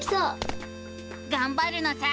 がんばるのさ！